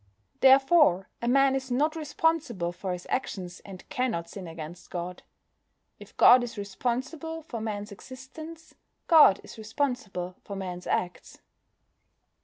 Therefore a man is not responsible for his actions, and cannot sin against God. _If God is responsible for Man's existence, God is responsible for Man's acts.